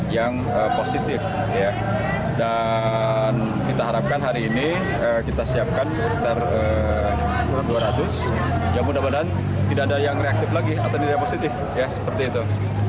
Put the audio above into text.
yang positif dan kita harapkan hari ini kita siapkan dua ratus ya mudah mudahan tidak ada yang reaktif lagi atau tidak positif ya seperti itu